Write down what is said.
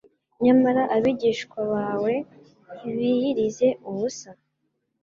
nyamara abigishwa bawe ntibiyirize ubusa'?."